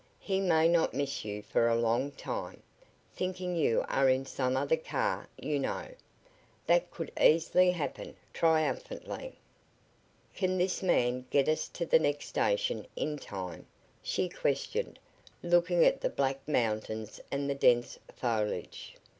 He may not miss you for a long time, thinking you are in some other car, you know. That could easily happen," triumphantly. "Can this man get us to the next station in time?" she questioned, looking at the black mountains and the dense foliage.